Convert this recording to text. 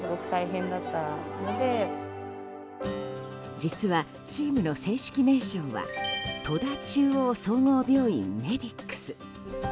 実は、チームの正式名称は戸田中央総合病院メディックス。